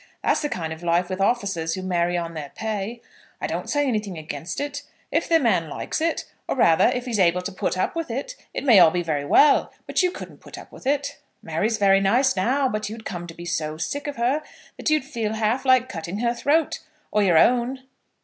That's the kind of life with officers who marry on their pay. I don't say anything against it. If the man likes it, or rather if he's able to put up with it, it may be all very well; but you couldn't put up with it. Mary's very nice now, but you'd come to be so sick of her, that you'd feel half like cutting her throat, or your own."